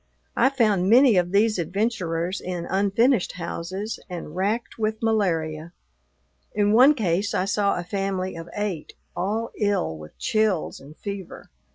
I found many of these adventurers in unfinished houses and racked with malaria; in one case I saw a family of eight, all ill with chills and fever.